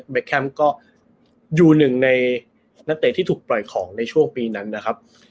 แคมป์ก็อยู่หนึ่งในนักเตะที่ถูกปล่อยของในช่วงปีนั้นนะครับ